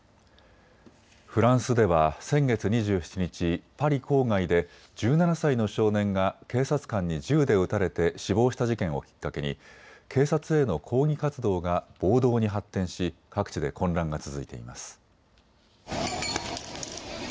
フランスでは先月２７日、パリ郊外で１７歳の少年が警察官に銃で撃たれて死亡した事件をきっかけに警察への抗議活動が暴動に発展し各地で混乱が続いています。